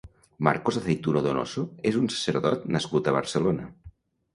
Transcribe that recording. Marcos Aceituno Donoso és un sacerdot nascut a Barcelona.